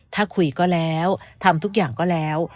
ถ้าคุยก็แล้วทำทุกอย่างก็แล้ว